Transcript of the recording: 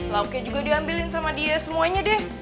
lauknya juga diambilin sama dia semuanya deh